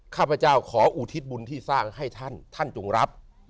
ข้าพเจ้าขออุทิศบุญที่สร้างให้ท่านท่านจงรับ